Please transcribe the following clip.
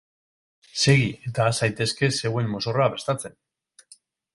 Segi, eta has zaitezke zeuen mozorroa prestatzen!